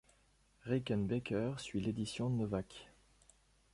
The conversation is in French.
Rickenbacker suit l'édition Nowak.